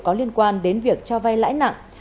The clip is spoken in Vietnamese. có liên quan đến việc cho vai lãi nặng